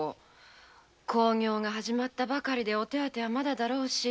興行が始まったばかりでお手当はまだだろうし。